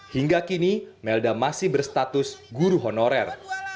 hingga kini melda masih berstatus guru honorer